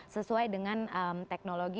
sesuai dengan teknologi